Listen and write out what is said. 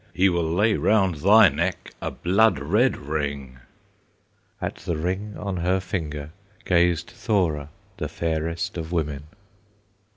He will lay round thy neck a blood red ring." At the ring on her finger Gazed Thora, the fairest of women.